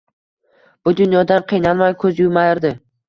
Bu dunyodan qiynalmay koʻz yumardi.